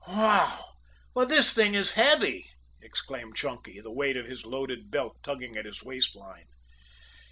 "Wow! But this thing is heavy," exclaimed Chunky, the weight of his loaded belt tugging at his waist line.